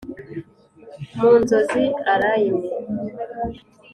mu nzozi, allayne.